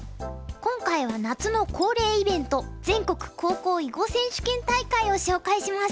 今回は夏の恒例イベント全国高校囲碁選手権大会を紹介します。